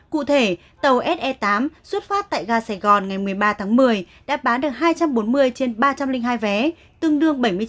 cụ thể tàu se tám xuất phát tại gà sài gòn ngày một mươi ba tháng một mươi đã bán được hai trăm bốn mươi trên ba trăm linh hai vé tương đương bảy mươi chín